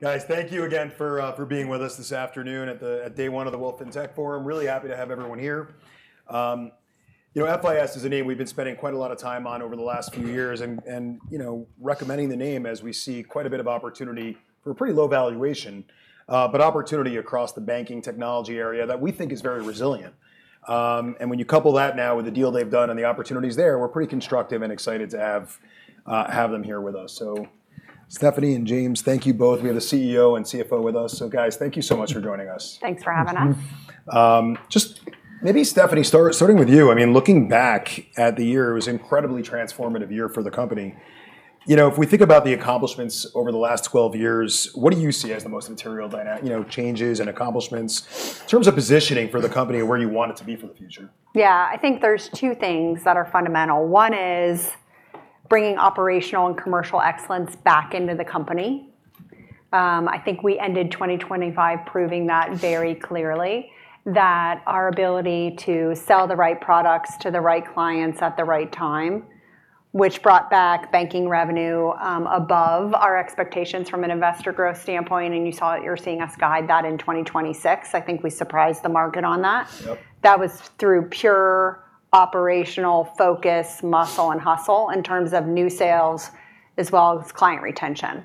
Guys, thank you again for being with us this afternoon at day one of the Wolfe FinTech Forum. Really happy to have everyone here. You know, FIS is a name we've been spending quite a lot of time on over the last few years and you know, recommending the name as we see quite a bit of opportunity for a pretty low valuation. But opportunity across the banking technology area that we think is very resilient. And when you couple that now with the deal they've done and the opportunities there, we're pretty constructive and excited to have them here with us. So Stephanie and James, thank you both. We have the CEO and CFO with us. So guys, thank you so much for joining us. Thanks for having us. Thanks for having me. Just maybe Stephanie, starting with you. I mean, looking back at the year, it was incredibly transformative year for the company. You know, if we think about the accomplishments over the last 12 years, what do you see as the most material dynamic, you know, changes and accomplishments in terms of positioning for the company and where you want it to be for the future? Yeah. I think there's two things that are fundamental. One is bringing operational and commercial excellence back into the company. I think we ended 2025 proving that very clearly that our ability to sell the right products to the right clients at the right time, which brought back banking revenue, above our expectations from an investor growth standpoint. You saw it. You're seeing us guide that in 2026. I think we surprised the market on that. Yep. That was through pure operational focus, muscle and hustle in terms of new sales as well as client retention.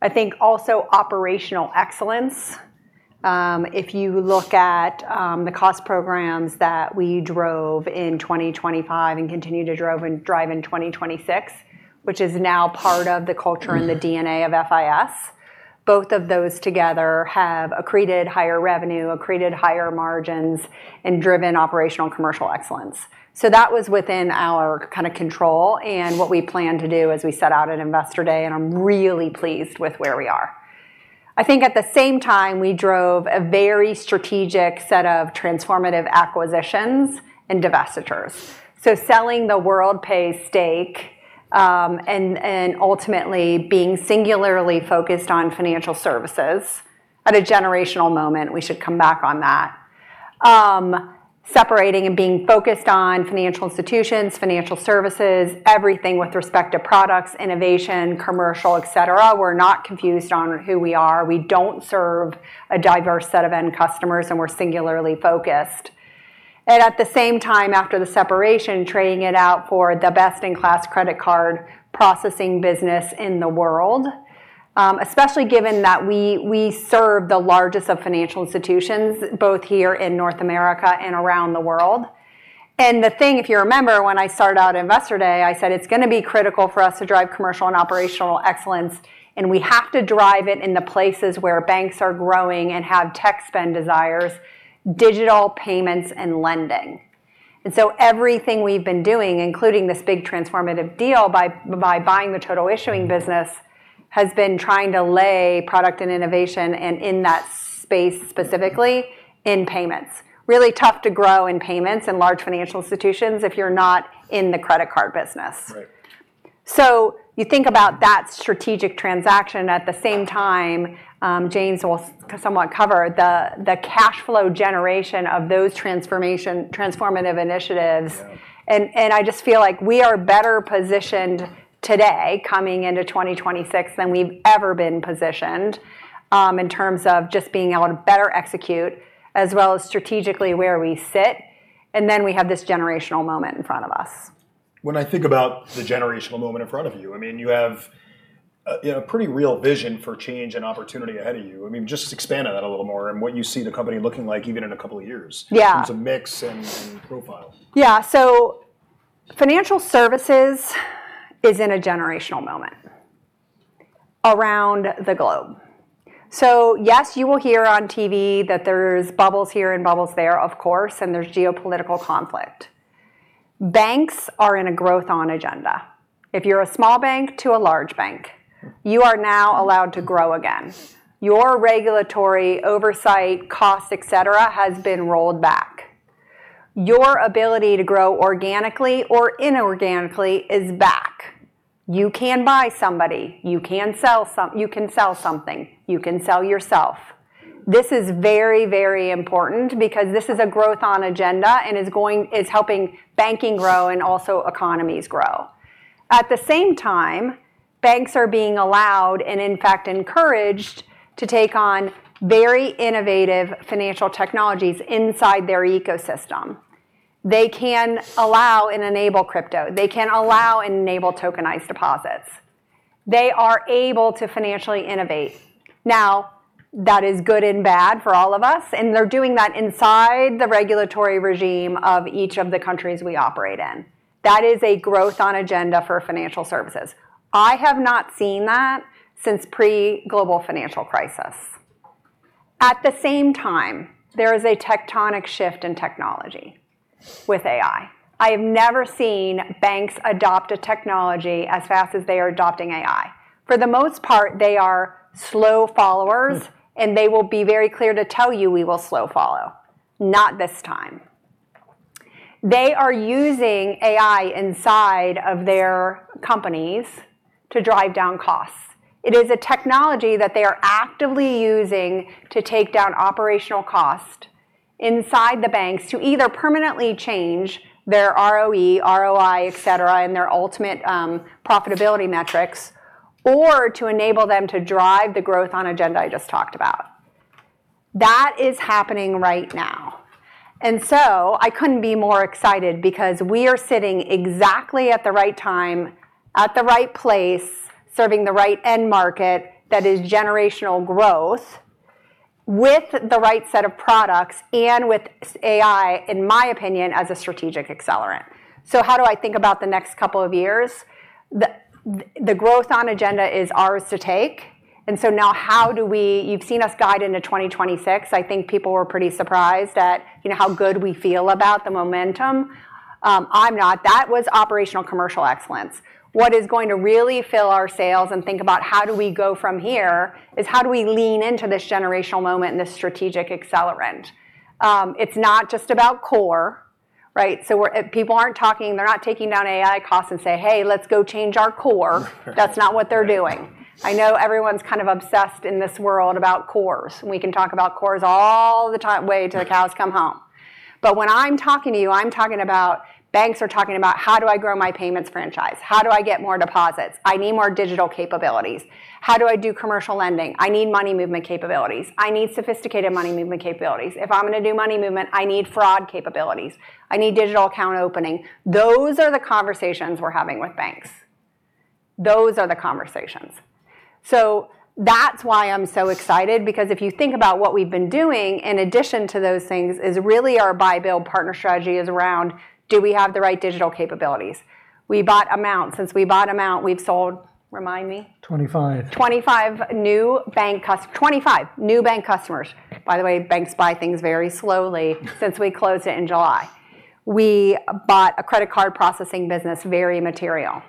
I think also operational excellence. If you look at the cost programs that we drove in 2025 and continue to drive in 2026, which is now part of the culture and the DNA of FIS, both of those together have accreted higher revenue, accreted higher margins, and driven operational commercial excellence. That was within our kinda control and what we plan to do as we set out at Investor Day, and I'm really pleased with where we are. I think at the same time, we drove a very strategic set of transformative acquisitions and divestitures. Selling the Worldpay stake, and ultimately being singularly focused on financial services at a generational moment, we should come back on that. Separating and being focused on financial institutions, financial services, everything with respect to products, innovation, commercial, etc., we're not confused on who we are. We don't serve a diverse set of end customers, and we're singularly focused. At the same time, after the separation, trading it out for the best-in-class credit card processing business in the world, especially given that we serve the largest of financial institutions, both here in North America and around the world. The thing, if you remember, when I started out Investor Day, I said it's gonna be critical for us to drive commercial and operational excellence, and we have to drive it in the places where banks are growing and have tech spend desires, digital payments and lending. Everything we've been doing, including this big transformative deal by buying the Total Issuing business, has been trying to lay product and innovation and in that space specifically in payments. Really tough to grow in payments in large financial institutions if you're not in the credit card business. Right. You think about that strategic transaction at the same time, James will somewhat cover the cash flow generation of those transformative initiatives. Yeah. I just feel like we are better positioned today coming into 2026 than we've ever been positioned, in terms of just being able to better execute as well as strategically where we sit, and then we have this generational moment in front of us. When I think about the generational moment in front of you, I mean, you have a, you know, a pretty real vision for change and opportunity ahead of you. I mean, just expand on that a little more and what you see the company looking like even in a couple of years? Yeah in terms of mix and profile. Yeah. Financial services is in a generational moment around the globe. Yes, you will hear on TV that there's bubbles here and bubbles there, of course, and there's geopolitical conflict. Banks are in a growth on agenda. If you're a small bank to a large bank, you are now allowed to grow again. Your regulatory oversight costs, etc., has been rolled back. Your ability to grow organically or inorganically is back. You can buy somebody. You can sell something. You can sell yourself. This is very, very important because this is a growth on agenda and is helping banking grow and also economies grow. At the same time, banks are being allowed, and in fact encouraged, to take on very innovative financial technologies inside their ecosystem. They can allow and enable crypto. They can allow and enable tokenized deposits. They are able to financially innovate. Now, that is good and bad for all of us, and they're doing that inside the regulatory regime of each of the countries we operate in. That is a growth on agenda for financial services. I have not seen that since pre-Global Financial Crisis. At the same time, there is a tectonic shift in technology with AI. I have never seen banks adopt a technology as fast as they are adopting AI. For the most part, they are slow followers, and they will be very quick to tell you, "We will slowly follow." Not this time. They are using AI inside of their companies to drive down costs. It is a technology that they are actively using to take down operational costs inside the banks to either permanently change their ROE, ROI, etc., and their ultimate profitability metrics, or to enable them to drive the growth agenda I just talked about. That is happening right now. I couldn't be more excited because we are sitting exactly at the right time, at the right place, serving the right end market that is generational growth, with the right set of products and with AI, in my opinion, as a strategic accelerant. How do I think about the next couple of years? The growth agenda is ours to take, now how do we? You've seen us guide into 2026. I think people were pretty surprised at, you know, how good we feel about the momentum. I'm not. That was operational commercial excellence. What is going to really fill our sails and think about how do we go from here is how do we lean into this generational moment and this strategic accelerant. It's not just about core, right? People aren't talking, they're not taking down AI costs and say, "Hey, let's go change our core." That's not what they're doing. I know everyone's kind of obsessed in this world about cores, and we can talk about cores all the time, way till the cows come home. When I'm talking to you, I'm talking about, banks are talking about, "How do I grow my payments franchise? How do I get more deposits? I need more digital capabilities. How do I do commercial lending? I need money movement capabilities. I need sophisticated money movement capabilities. If I'm gonna do money movement, I need fraud capabilities. I need digital account opening." Those are the conversations we're having with banks. Those are the conversations. That's why I'm so excited because if you think about what we've been doing in addition to those things is really our buy, build partner strategy is around do we have the right digital capabilities. We bought Amount. Since we bought Amount, we've sold, remind me? 25. 25 new bank customers. By the way, banks buy things very slowly since we closed it in July. We bought a credit card processing business, very material.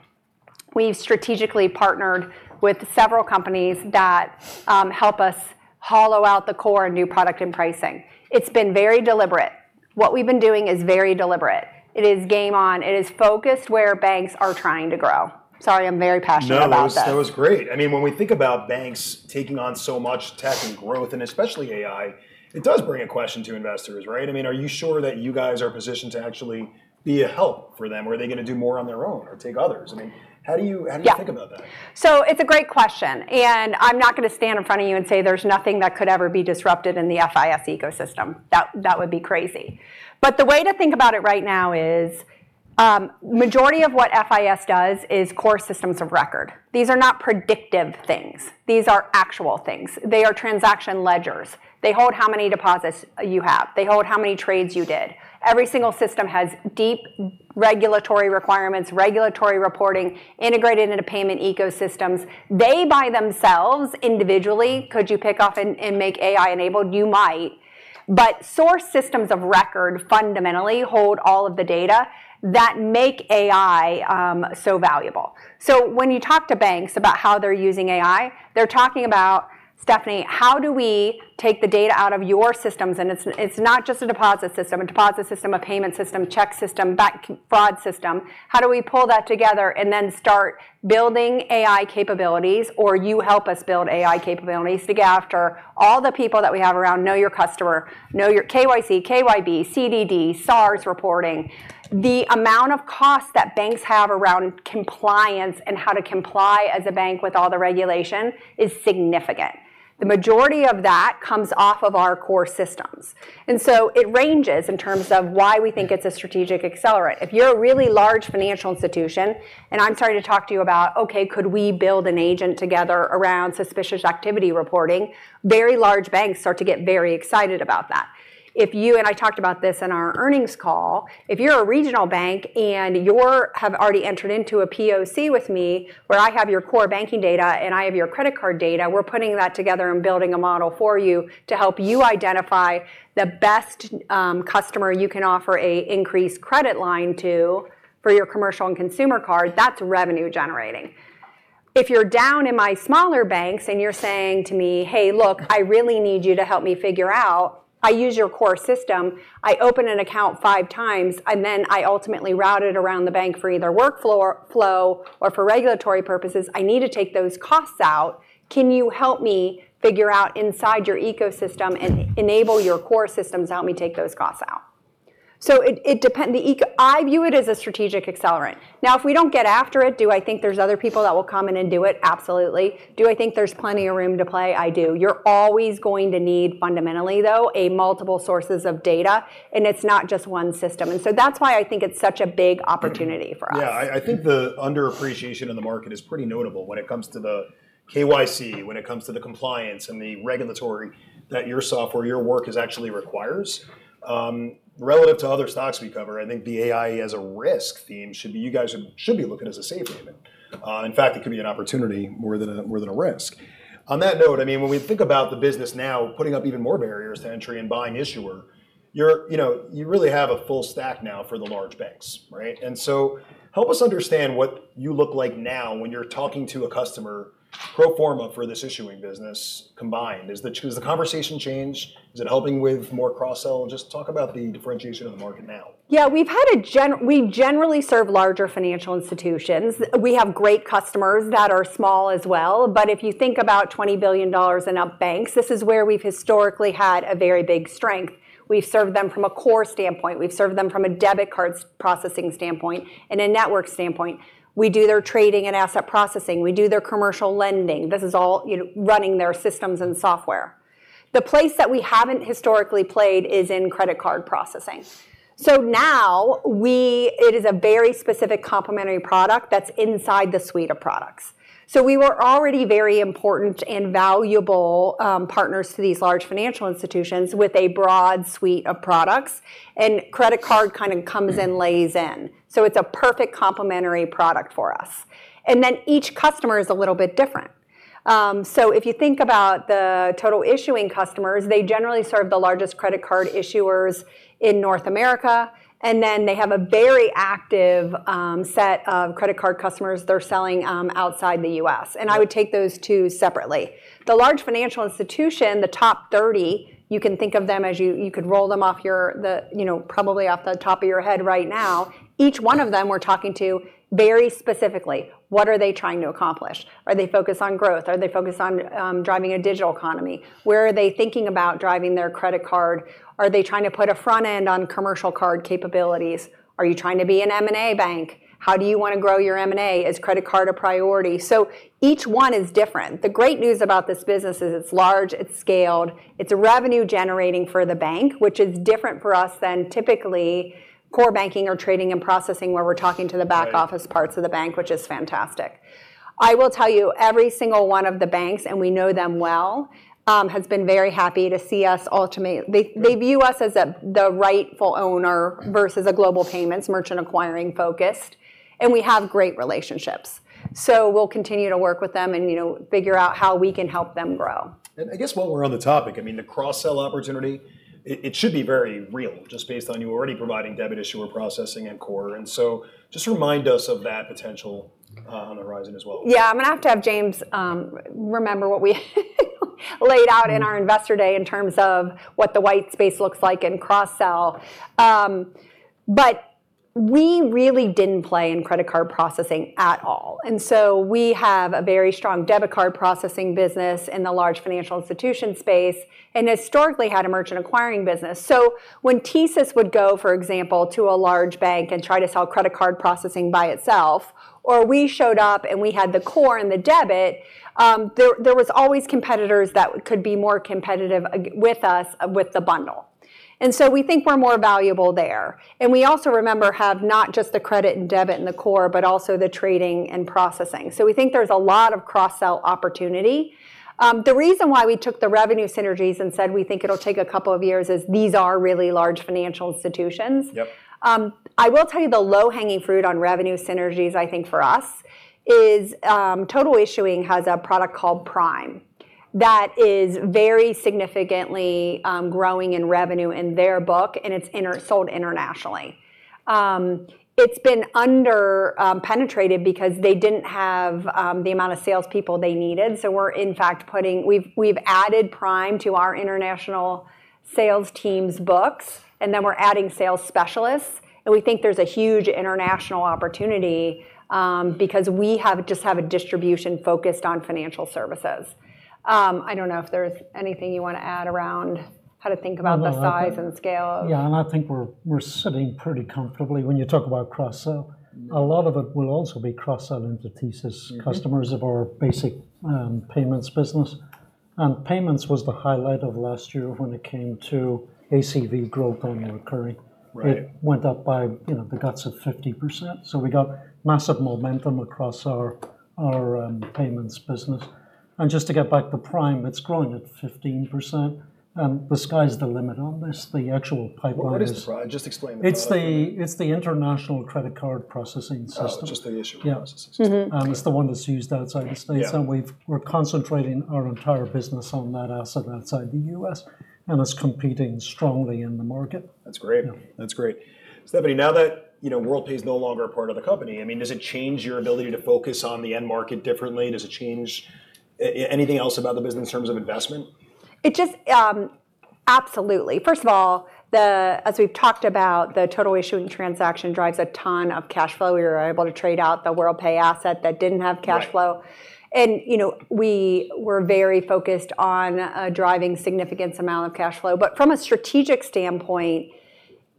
We've strategically partnered with several companies that help us hollow out the core and new product and pricing. It's been very deliberate. What we've been doing is very deliberate. It is game on. It is focused where banks are trying to grow. Sorry, I'm very passionate about this. No, that was great. I mean, when we think about banks taking on so much tech and growth, and especially AI, it does bring a question to investors, right? I mean, are you sure that you guys are positioned to actually be a help for them? Or are they gonna do more on their own or take others? I mean, how do you- Yeah How do you think about that? It's a great question, and I'm not gonna stand in front of you and say there's nothing that could ever be disrupted in the FIS ecosystem. That would be crazy. The way to think about it right now is, majority of what FIS does is core systems of record. These are not predictive things. These are actual things. They are transaction ledgers. They hold how many deposits you have. They hold how many trades you did. Every single system has deep regulatory requirements, regulatory reporting integrated into payment ecosystems. They by themselves individually could you pick off and make AI enabled? You might. Source systems of record fundamentally hold all of the data that make AI so valuable. When you talk to banks about how they're using AI, they're talking about, "Stephanie, how do we take the data out of your systems?" It's not just a deposit system, a payment system, check system, back-end fraud system. How do we pull that together and then start building AI capabilities, or you help us build AI capabilities to go after all the people that we have around Know Your Customer, KYC, KYB, CDD, SARs reporting. The amount of cost that banks have around compliance and how to comply as a bank with all the regulation is significant. The majority of that comes off of our core systems. It ranges in terms of why we think it's a strategic accelerant. If you're a really large financial institution and I'm starting to talk to you about, "Okay, could we build an agent together around suspicious activity reporting?" Very large banks start to get very excited about that. If you, and I talked about this in our earnings call, if you're a regional bank and you have already entered into a POC with me where I have your core banking data and I have your credit card data, we're putting that together and building a model for you to help you identify the best customer you can offer an increased credit line to for your commercial and consumer card, that's revenue generating. If you're down in my smaller banks and you're saying to me, "Hey, look, I really need you to help me figure out, I use your core system, I open an account 5x, and then I ultimately route it around the bank for either workflow or flow or for regulatory purposes. I need to take those costs out. Can you help me figure out inside your ecosystem and enable your core systems to help me take those costs out?" It depends. I view it as a strategic accelerant. Now, if we don't get after it, do I think there's other people that will come in and do it? Absolutely. Do I think there's plenty of room to play? I do. You're always going to need fundamentally though, a multiple sources of data, and it's not just one system. That's why I think it's such a big opportunity for us. Yeah. I think the underappreciation in the market is pretty notable when it comes to the KYC, when it comes to the compliance and the regulatory that your software, your work actually requires. Relative to other stocks we cover, I think the AI as a risk theme you guys should be looking as a safe haven. In fact, it could be an opportunity more than a risk. On that note, I mean, when we think about the business now putting up even more barriers to entry and buying issuer, you know, you really have a full stack now for the large banks, right? Help us understand what you look like now when you're talking to a customer pro forma for this issuing business combined. Does the conversation change? Is it helping with more cross-sell? Just talk about the differentiation of the market now. Yeah. We generally serve larger financial institutions. We have great customers that are small as well, but if you think about $20 billion and up banks, this is where we've historically had a very big strength. We've served them from a core standpoint, we've served them from a debit card processing standpoint and a network standpoint. We do their trading and asset processing. We do their commercial lending. This is all, you know, running their systems and software. The place that we haven't historically played is in credit card processing. It is a very specific complementary product that's inside the suite of products. We were already very important and valuable partners to these large financial institutions with a broad suite of products, and credit card kind of comes and lays in. It's a perfect complementary product for us. Each customer is a little bit different. If you think about the Total Issuing customers, they generally serve the largest credit card issuers in North America, and then they have a very active set of credit card customers they're selling outside the U.S. Yeah. I would take those two separately. The large financial institution, the top 30, you can think of them as you know, probably off the top of your head right now. Each one of them we're talking to very specifically. What are they trying to accomplish? Are they focused on growth? Are they focused on driving a digital economy? Where are they thinking about driving their credit card? Are they trying to put a front end on commercial card capabilities? Are you trying to be an M&A bank? How do you wanna grow your M&A? Is credit card a priority? Each one is different. The great news about this business is it's large, it's scaled, it's revenue generating for the bank, which is different for us than typically core banking or trading and processing where we're talking to the back. Right office parts of the bank, which is fantastic. I will tell you, every single one of the banks, and we know them well, has been very happy to see us. They view us as the rightful owner versus a Global Payments merchant acquiring focused, and we have great relationships. We'll continue to work with them and, you know, figure out how we can help them grow. I guess while we're on the topic, I mean, the cross-sell opportunity, it should be very real just based on you already providing debit issuer processing and core. Just remind us of that potential on the horizon as well. Yeah. I'm gonna have to have James remember what we laid out. Mm-hmm In our Investor Day in terms of what the white space looks like in cross-sell. We really didn't play in credit card processing at all. We have a very strong debit card processing business in the large financial institution space, and historically had a merchant acquiring business. When TSYS would go, for example, to a large bank and try to sell credit card processing by itself, or we showed up and we had the core and the debit, there was always competitors that could be more competitive against us with the bundle. We think we're more valuable there. We also have not just the credit and debit and the core, but also the trading and processing. We think there's a lot of cross-sell opportunity. The reason why we took the revenue synergies and said we think it'll take a couple of years is these are really large financial institutions. Yep. I will tell you the low-hanging fruit on revenue synergies I think for us is Total Issuing has a product called Prime that is very significantly growing in revenue in their book and it's cross-sold internationally. It's been underpenetrated because they didn't have the amount of salespeople they needed, so we've added Prime to our international sales team's books, and then we're adding sales specialists, and we think there's a huge international opportunity, because we just have a distribution focused on financial services. I don't know if there's anything you wanna add around how to think about the size and scale of. No, I think. Yeah. I think we're sitting pretty comfortably when you talk about cross-sell. A lot of it will also be cross-sell into TSYS. Mm-hmm... customers of our basic payments business. Payments was the highlight of last year when it came to ACV growth annual recurring. Right. It went up by, you know, the guts of 50%. We got massive momentum across our payments business. Just to get back to Prime, it's growing at 15%, and the sky's the limit on this. The actual pipeline is. What is Prime? Just explain the product. It's the international credit card processing system. Oh, just the issuer processing system. Yeah. Mm-hmm. It's the one that's used outside the States. Yeah. We're concentrating our entire business on that asset outside the U.S., and it's competing strongly in the market. That's great. Yeah. That's great. Stephanie, now that, you know, Worldpay's no longer a part of the company, I mean, does it change your ability to focus on the end market differently? Does it change anything else about the business in terms of investment? It just absolutely. First of all, as we've talked about, the Total Issuing transaction drives a ton of cash flow. We were able to trade out the Worldpay asset that didn't have cash flow. Right. You know, we were very focused on driving significant amount of cash flow. From a strategic standpoint,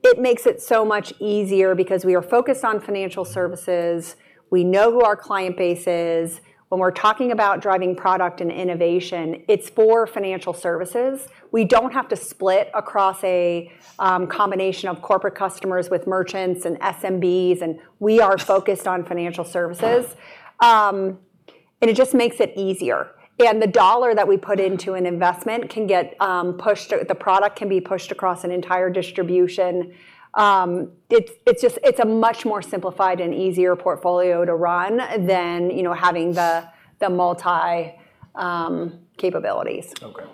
it makes it so much easier because we are focused on financial services, we know who our client base is. When we're talking about driving product and innovation, it's for financial services. We don't have to split across a combination of corporate customers with merchants and SMBs. We are focused on financial services. It just makes it easier. The dollar that we put into an investment can get pushed, the product can be pushed across an entire distribution. It's just a much more simplified and easier portfolio to run than, you know, having the multi-capabilities. Okay.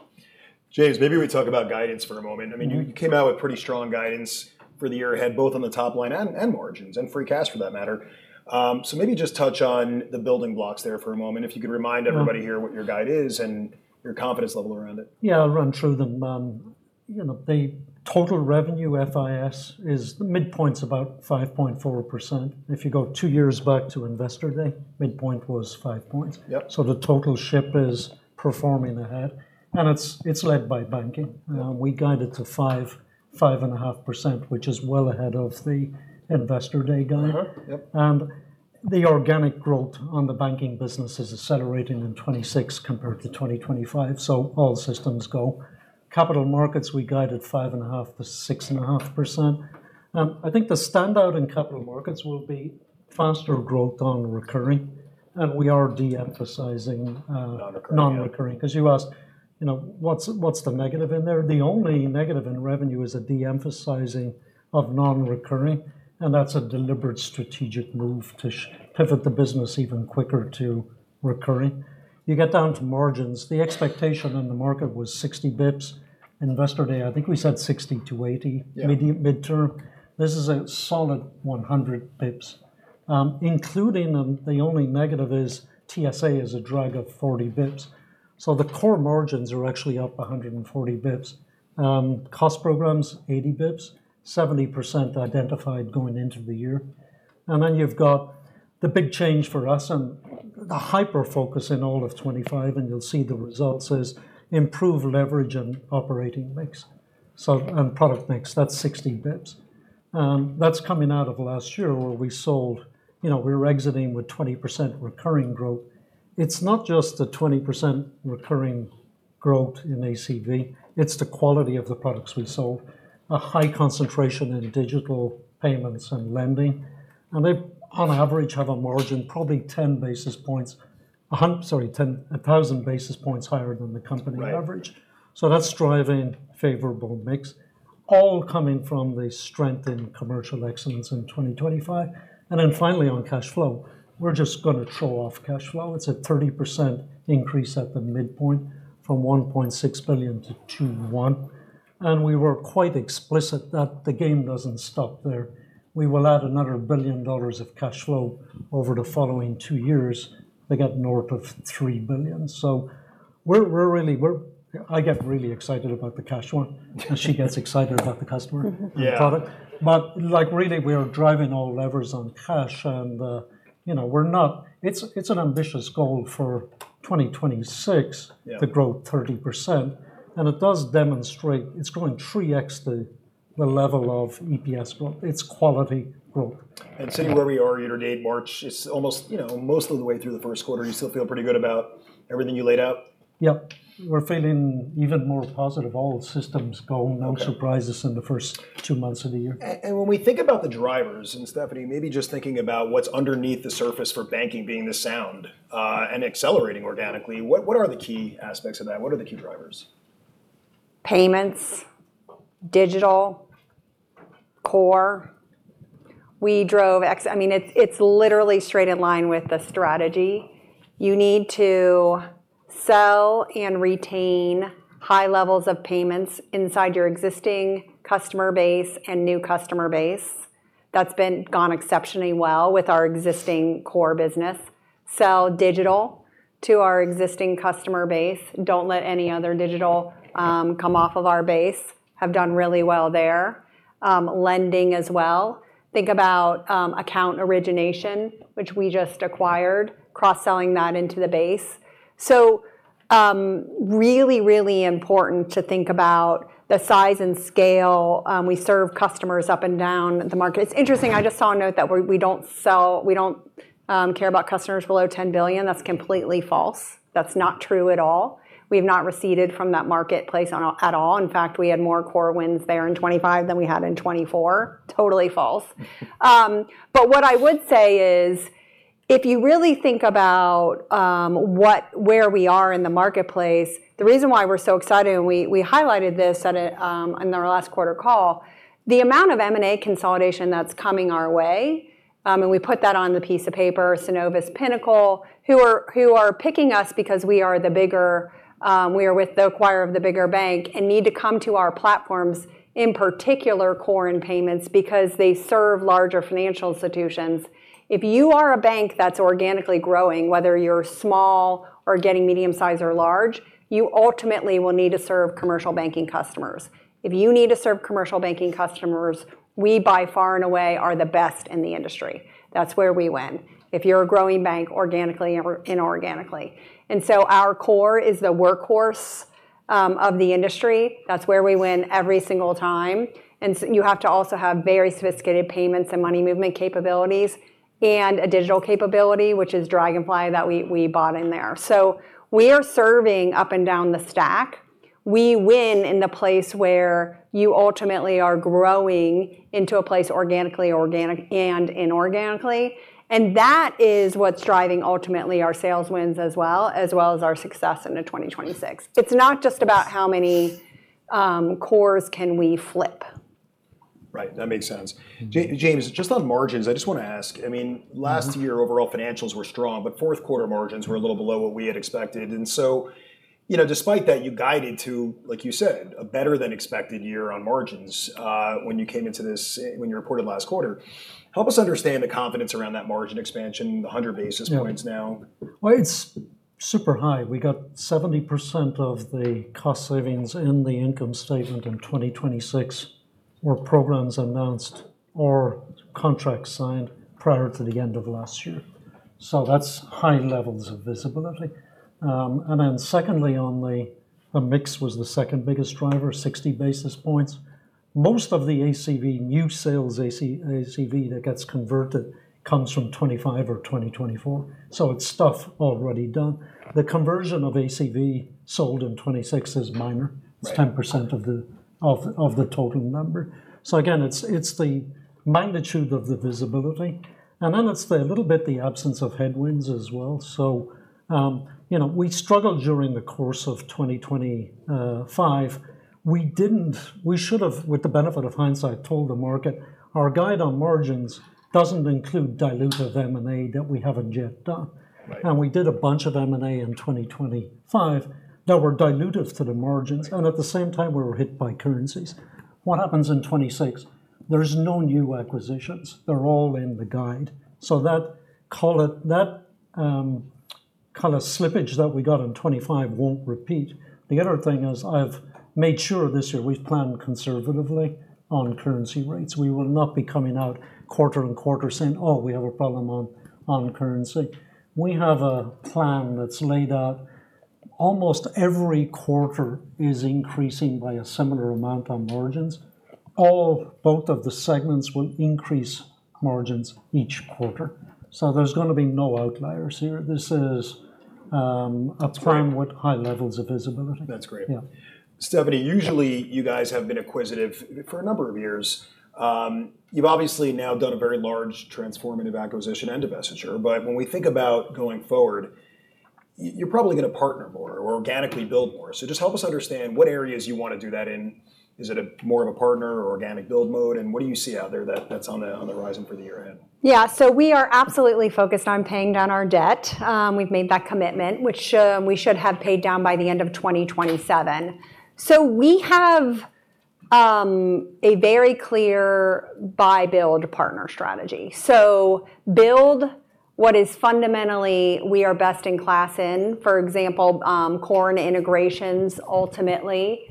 James, maybe we talk about guidance for a moment. Mm-hmm. I mean, you came out with pretty strong guidance for the year ahead, both on the top line and margins, and free cash for that matter. Maybe just touch on the building blocks there for a moment. If you could remind everybody here. Mm. What your guide is and your confidence level around it? Yeah, I'll run through them. You know, the total revenue FIS is, the midpoint's about 5.4%. If you go two years back to Investor Day, midpoint was 5%. Yep. The Total Issuing is performing ahead, and it's led by banking. We guided to 5-5.5%, which is well ahead of the Investor Day guide. Uh-huh. Yep. The organic growth on the banking business is accelerating in 2026 compared to 2025, so all systems go. Capital markets, we guided 5.5%-6.5%. I think the standout in capital markets will be faster growth on recurring, and we are de-emphasizing. Non-recurring. Yeah. Non-recurring. 'Cause you asked, you know, what's the negative in there? The only negative in revenue is a de-emphasizing of non-recurring, and that's a deliberate strategic move to pivot the business even quicker to recurring. You get down to margins. The expectation in the market was 60 basis points. Investor Day, I think we said 60 to 80 basis points. Yeah Midterm. This is a solid 100 basis points. Including them, the only negative is TSA is a drag of 40 basis points. The core margins are actually up 140 basis points. Cost programs, 80 basis points. 70% identified going into the year. Then you've got the big change for us and the hyper-focus in all of 2025, and you'll see the results, is improved leverage and operating mix. Product mix, that's 60 basis points. That's coming out of last year where we sold. We were exiting with 20% recurring growth. It's not just the 20% recurring growth in ACV, it's the quality of the products we sold. A high concentration in digital payments and lending, and they, on average, have a margin probably 10 basis points. 1,000 basis points higher than the company average. Right. That's driving favorable mix, all coming from the strength in commercial excellence in 2025. Finally on cash flow, we're just gonna show off cash flow. It's a 30% increase at the midpoint from $1.6 billion to $2.1 billion. We were quite explicit that the game doesn't stop there. We will add another $1 billion of cash flow over the following two years to get north of $3 billion. We're really excited about the cash flow. She gets excited about the customer. Yeah Product. Like, really, we are driving all levers on cash and, you know, it's an ambitious goal for 2026. Yeah to grow 30%, and it does demonstrate it's going 3x the level of EPS, but it's quality growth. Sitting where we are year to date, March, it's almost, you know, most of the way through the first quarter. Do you still feel pretty good about everything you laid out? Yep. We're feeling even more positive. All systems go. Okay. No surprises in the first two months of the year. when we think about the drivers, and Stephanie, maybe just thinking about what's underneath the surface for banking being the sound, and accelerating organically, what are the key aspects of that? What are the key drivers? Payments, digital, core. I mean, it's literally straight in line with the strategy. You need to sell and retain high levels of payments inside your existing customer base and new customer base. That's gone exceptionally well with our existing core business. Sell digital to our existing customer base. Don't let any other digital come off of our base. Have done really well there. Lending as well. Think about account origination, which we just acquired, cross-selling that into the base. Really important to think about the size and scale. We serve customers up and down the market. It's interesting, I just saw a note that we don't sell, we don't care about customers below $10 billion. That's completely false. That's not true at all. We've not receded from that marketplace at all. In fact, we had more core wins there in 2025 than we had in 2024. Totally false. What I would say is if you really think about where we are in the marketplace, the reason why we're so excited, and we highlighted this in our last quarter call, the amount of M&A consolidation that's coming our way, and we put that on the piece of paper, Synovus, Pinnacle, who are picking us because we are the bigger with the acquirer of the bigger bank, and need to come to our platforms, in particular core and payments, because they serve larger financial institutions. If you are a bank that's organically growing, whether you're small or getting medium-sized or large, you ultimately will need to serve commercial banking customers. If you need to serve commercial banking customers, we by far and away are the best in the industry. That's where we win. If you're a growing bank organically or inorganically. Our core is the workhorse of the industry. That's where we win every single time, and you have to also have very sophisticated payments and money movement capabilities, and a digital capability, which is Dragonfly that we bought in there. We are serving up and down the stack. We win in the place where you ultimately are growing into a place organically and inorganically, and that is what's driving ultimately our sales wins as well as our success into 2026. It's not just about how many cores can we flip. Right. That makes sense. James, just on margins, I just wanna ask, I mean. Mm-hmm Last year overall financials were strong, but fourth quarter margins were a little below what we had expected. You know, despite that, you guided to, like you said, a better than expected year on margins, when you reported last quarter. Help us understand the confidence around that margin expansion, the 100 basis points now. Yeah. Well, it's super high. We got 70% of the cost savings in the income statement in 2026 were programs announced or contracts signed prior to the end of last year. That's high levels of visibility. Secondly, the mix was the second biggest driver, 60 basis points. Most of the ACV, new sales ACV that gets converted comes from 2025 or 2024, so it's stuff already done. The conversion of ACV sold in 2026 is minor. Right. It's 10% of the total number. Again, it's the magnitude of the visibility, and then it's a little bit the absence of headwinds as well. You know, we struggled during the course of 2025. We should have, with the benefit of hindsight, told the market our guidance on margins doesn't include dilutive M&A that we haven't yet done. Right. We did a bunch of M&A in 2025 that were dilutive to the margins, and at the same time we were hit by currencies. What happens in 2026? There's no new acquisitions. They're all in the guide. That slippage that we got in 2025 won't repeat. The other thing is I've made sure this year we've planned conservatively on currency rates. We will not be coming out quarter and quarter saying, "Oh, we have a problem on currency." We have a plan that's laid out. Almost every quarter is increasing by a similar amount on margins. Both of the segments will increase margins each quarter, so there's gonna be no outliers here. This is a plan. That's great. with high levels of visibility. That's great. Yeah. Stephanie, usually you guys have been acquisitive for a number of years. You've obviously now done a very large transformative acquisition and divestiture, but when we think about going forward, you're probably gonna partner more or organically build more. Just help us understand what areas you want to do that in. Is it more of a partner or organic build mode, and what do you see out there that's on the horizon for the year ahead? Yeah. We are absolutely focused on paying down our debt. We've made that commitment, which, we should have paid down by the end of 2027. We have a very clear buy-build-partner strategy. Build what is fundamentally we are best in class in, for example, core and integrations ultimately.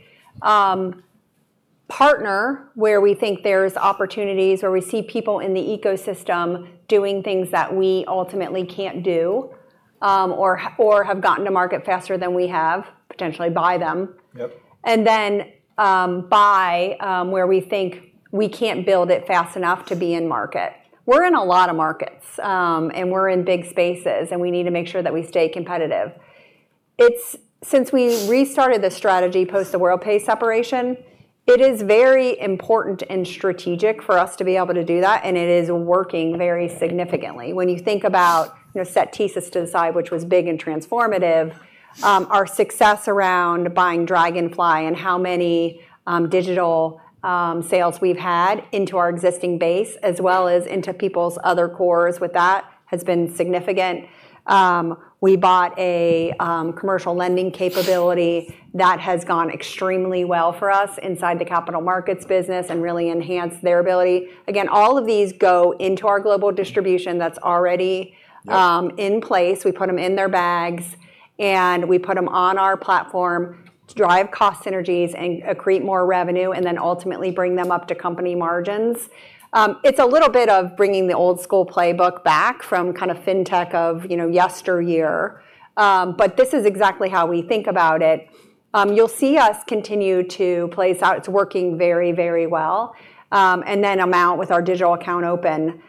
Partner where we think there's opportunities or we see people in the ecosystem doing things that we ultimately can't do, or have gotten to market faster than we have, potentially buy them. Yep. Buy where we think we can't build it fast enough to be in market. We're in a lot of markets, and we're in big spaces, and we need to make sure that we stay competitive. Since we restarted the strategy post the Worldpay separation, it is very important and strategic for us to be able to do that, and it is working very significantly. When you think about, you know, set TSYS to the side, which was big and transformative, our success around buying Dragonfly and how many digital sales we've had into our existing base as well as into people's other cores with that has been significant. We bought a commercial lending capability. That has gone extremely well for us inside the capital markets business and really enhanced their ability. Again, all of these go into our global distribution that's already. Yep In place. We put them in their bags, and we put them on our platform to drive cost synergies and create more revenue, and then ultimately bring them up to company margins. It's a little bit of bringing the old school playbook back from kind of fintech of, you know, yesteryear. This is exactly how we think about it. You'll see us continue to play out. It's working very, very well. Then Amount with our digital account opening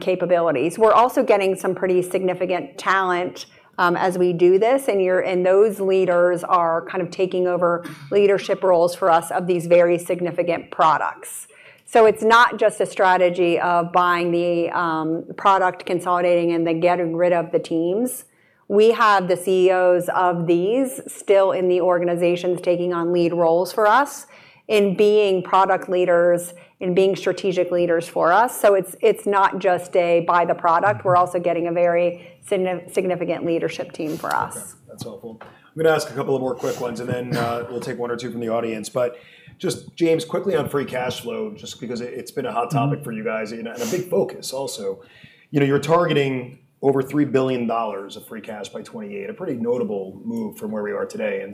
capabilities. We're also getting some pretty significant talent, as we do this, and those leaders are kind of taking over leadership roles for us over these very significant products. It's not just a strategy of buying the product, consolidating, and then getting rid of the teams. We have the CEOs of these still in the organizations taking on lead roles for us in being product leaders and being strategic leaders for us. It's not just buying the product. We're also getting a very significant leadership team for us. Okay. That's helpful. I'm gonna ask a couple of more quick ones, and then we'll take one or two from the audience. But just, James, quickly on free cash flow, just because it's been a hot topic for you guys and a big focus also. You know, you're targeting over $3 billion of free cash by 2028, a pretty notable move from where we are today.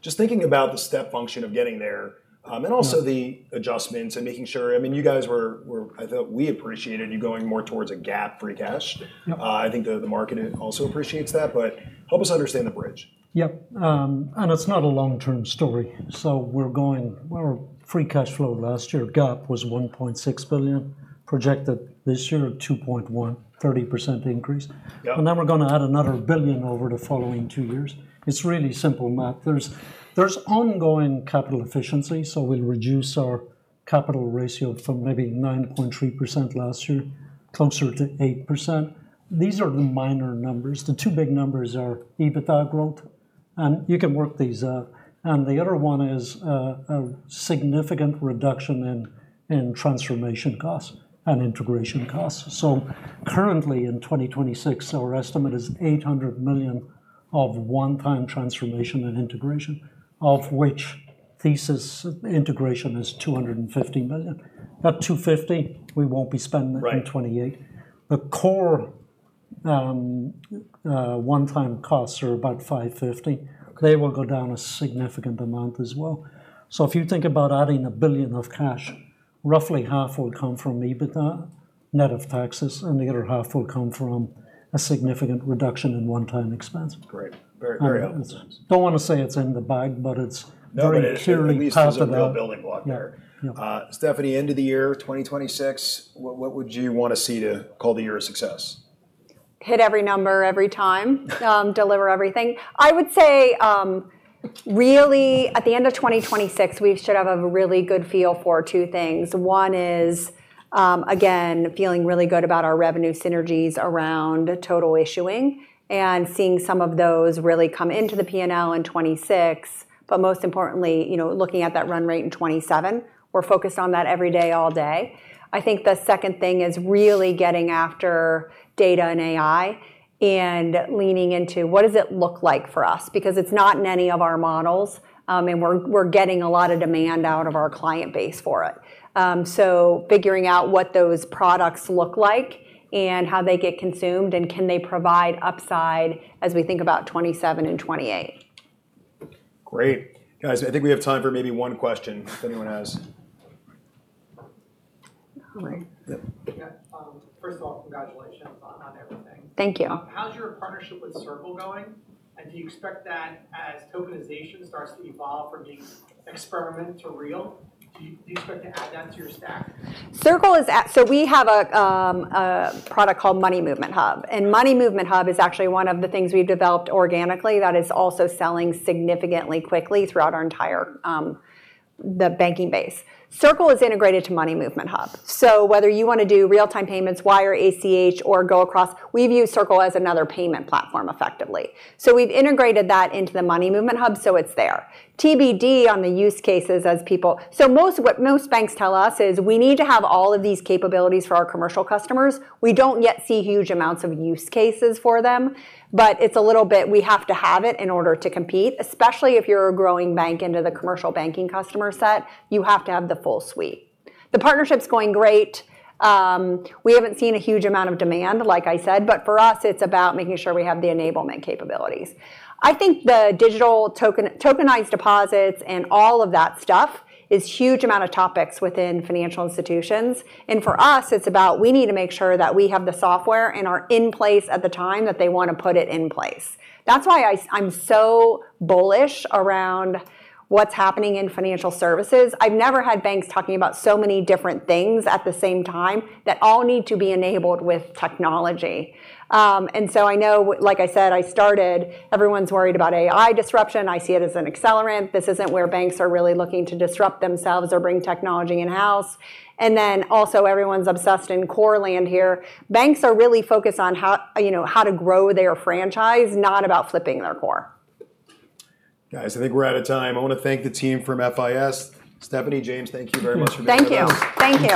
Just thinking about the step function of getting there. Yeah also the adjustments and making sure. I mean, you guys were. I thought we appreciated you going more towards a GAAP free cash. Yep. I think the market also appreciates that, but help us understand the bridge. Yep. It's not a long-term story. Our free cash flow last year GAAP was $1.6 billion, projected this year $2.1 billion, 30% increase. Yep. We're gonna add another $1 billion over the following two years. It's really simple math. There's ongoing capital efficiency, so we'll reduce our capital ratio from maybe 9.3% last year closer to 8%. These are the minor numbers. The two big numbers are EBITDA growth. You can work these out. The other one is a significant reduction in transformation costs and integration costs. Currently in 2026, our estimate is $800 million of one-time transformation and integration, of which TSYS integration is $250 million. That $250 million, we won't be spending- Right... in 2028. The core one-time costs are about $550. Okay. They will go down a significant amount as well. If you think about adding $1 billion of cash, roughly half will come from EBITDA, net of taxes, and the other half will come from a significant reduction in one-time expense. Great. Very, very helpful. Don't wanna say it's in the bag, but it's. No, it at least is a real building block there. Yeah. Yeah. Stephanie, end of the year 2026, what would you wanna see to call the year a success? Hit every number every time. Deliver everything. I would say, really at the end of 2026, we should have a really good feel for two things. One is, again, feeling really good about our revenue synergies around Total Issuing and seeing some of those really come into the P&L in 2026. Most importantly, you know, looking at that run rate in 2027. We're focused on that every day, all day. I think the second thing is really getting after data and AI and leaning into what does it look like for us, because it's not in any of our models. We're getting a lot of demand out of our client base for it. Figuring out what those products look like and how they get consumed, and can they provide upside as we think about 2027 and 2028. Great. Guys, I think we have time for maybe one question, if anyone has. All right. Yeah. Yeah. First of all, congratulations on everything. Thank you. How's your partnership with Circle going? Do you expect that as tokenization starts to evolve from being an experiment to real, do you expect to add that to your stack? We have a product called Money Movement Hub, and Money Movement Hub is actually one of the things we've developed organically that is also selling significantly quickly throughout our entire banking base. Circle is integrated to Money Movement Hub. Whether you wanna do real-time payments, wire, ACH, or go across, we view Circle as another payment platform effectively. We've integrated that into the Money Movement Hub, so it's there. TBD on the use cases as people. Most of what most banks tell us is we need to have all of these capabilities for our commercial customers. We don't yet see huge amounts of use cases for them, but it's a little bit we have to have it in order to compete, especially if you're a growing bank into the commercial banking customer set, you have to have the full suite. The partnership's going great. We haven't seen a huge amount of demand, like I said, but for us it's about making sure we have the enablement capabilities. I think the digital token, tokenized deposits and all of that stuff is huge amount of topics within financial institutions. For us, it's about we need to make sure that we have the software and are in place at the time that they wanna put it in place. That's why I'm so bullish around what's happening in financial services. I've never had banks talking about so many different things at the same time that all need to be enabled with technology. I know, like I said, I started, everyone's worried about AI disruption. I see it as an accelerant. This isn't where banks are really looking to disrupt themselves or bring technology in-house. Everyone's obsessed in core land here. Banks are really focused on how, you know, how to grow their franchise, not about flipping their core. Guys, I think we're out of time. I wanna thank the team from FIS. Stephanie, James, thank you very much for joining us. Thank you. Thank you.